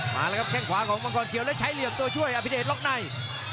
มาแล้วครับแค่งขวาของมังกรเขียวแล้วใช้เหลี่ยมตัวช่วยอภิเดชล็อกใน